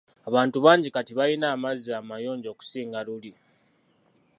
Abantu bangi kati balina amazzi amayonjo okusinga luli.